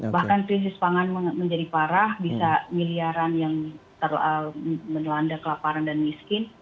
bahkan krisis pangan menjadi parah bisa miliaran yang menelanda kelaparan dan miskin